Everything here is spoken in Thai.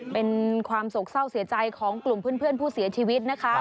เป็นความโศกเศร้าเสียใจของกลุ่มเพื่อนผู้เสียชีวิตนะคะ